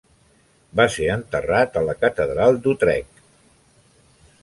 Va ser enterrat a la catedral d'Utrecht.